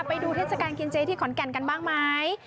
ไปดูเทศกาลกินเจที่ขอนแก่นกันบ้างไหม